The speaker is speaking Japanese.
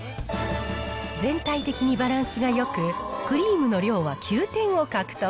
全体的にバランスがよく、クリームの量は９点を獲得。